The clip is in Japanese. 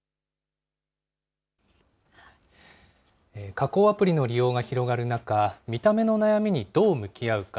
加工アプリの利用が広がる中、見た目の悩みにどう向き合うか。